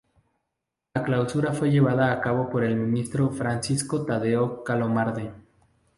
La clausura fue llevada a cabo por el ministro Francisco Tadeo Calomarde.